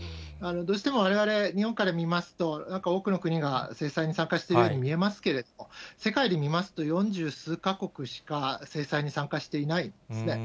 どうしてもわれわれ、日本から見ますと、なんか多くの国が制裁に参加しているように見えますけれども、世界で見ますと、四十数か国しか制裁に参加していないんですね。